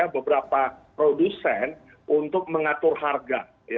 beberapa produsen untuk mengatur harga